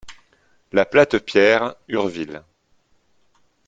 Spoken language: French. La Platte Pierre, Urville